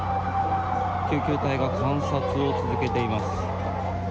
救急隊が観察を続けています。